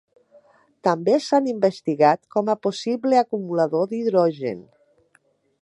També s'han investigat com a possible acumulador d'hidrogen.